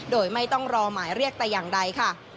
โดยไม่ต้องรอหมายเรียกแต่อย่างใดค่ะ